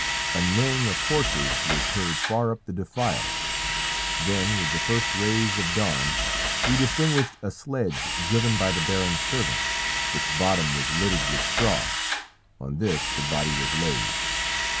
A neighing of horses was heard far up the defile; then, with the first rays of dawn, we distinguished a sledge driven by the baron's servant; its bottom was littered with straw; on this the body was laid.